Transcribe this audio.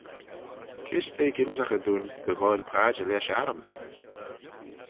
Kys t'eh gynsaghey dooin dy ghoaill padjer lesh arrym?